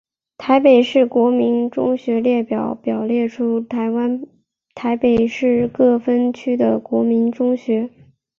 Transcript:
台北市国民中学列表表列出台湾台北市各分区的国民中学。